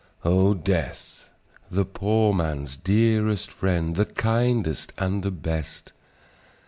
"O Death! the poor man's dearest friend, The kindest and the best!